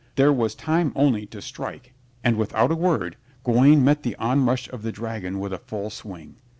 There was time only to strike and, without a word, Gawaine met the onrush of the dragon with a full swing.